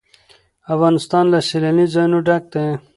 افغانستان له سیلانی ځایونه ډک دی.